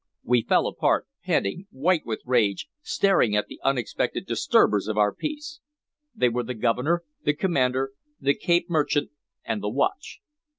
We fell apart, panting, white with rage, staring at the unexpected disturbers of our peace. They were the Governor, the commander, the Cape Merchant, and the watch.